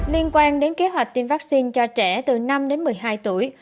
liên quan đến kế hoạch tiêm vaccine cho trẻ từ năm đến một mươi hai tuổi